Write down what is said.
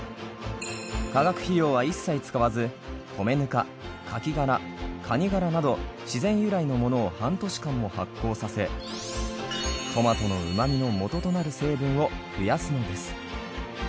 化学肥料は一切使わず米ぬかカキ殻カニ殻など自然由来のものを半年間も発酵させトマトの旨味のもととなる成分を増やすのです。